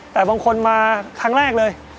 แต่บางคนมาครั้งแรกเลย